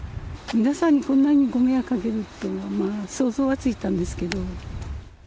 皆さんに、こんなにご迷惑かけるのは、想像はついてたんですけど。